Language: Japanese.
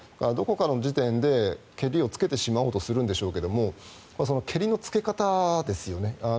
どこかの時点でけりをつけてしまおうとするんでしょうがケリのつけ方ですよね。